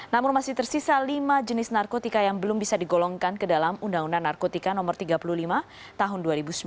namun masih tersisa lima jenis narkotika yang belum bisa digolongkan ke dalam undang undang narkotika no tiga puluh lima tahun dua ribu sembilan